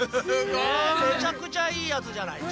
めちゃくちゃいいやつじゃな